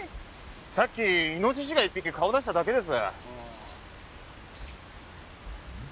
さっきイノシシが１匹顔出しただけです。